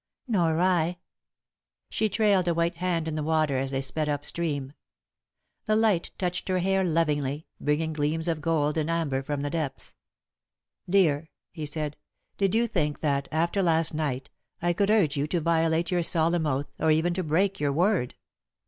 "Nor I." She trailed a white hand in the water as they sped up stream. The light touched her hair lovingly, bringing gleams of gold and amber from the depths. [Sidenote: Alden's Silence] "Dear," he said, "did you think that, after last night, I could urge you to violate your solemn oath or even to break your word?"